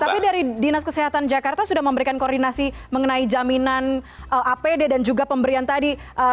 tapi dari dinas kesehatan jakarta sudah memberikan koordinasi mengenai jaminan apd dan juga pemberian tadi